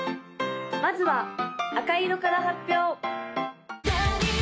まずは赤色から発表！